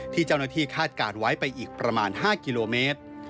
ที่เจ้าหน้าที่คาดการณ์ไว้ไปอีกประมาณ๕กิโลเมตร